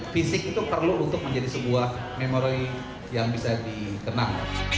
fisik itu perlu untuk menjadi sebuah memori yang bisa dikenang